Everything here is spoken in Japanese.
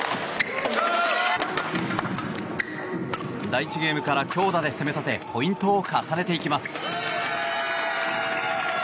第１ゲームから強打で攻め立てポイントを重ねていきます。